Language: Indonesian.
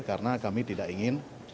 karena kami tidak ingin